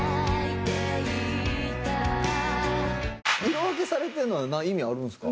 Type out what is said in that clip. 色分けされてるのは何意味あるんですか？